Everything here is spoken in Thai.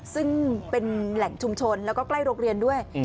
ซึ่งเป็นแหล่งชุมชนแล้วก็ใกล้โรงเรียนด้วย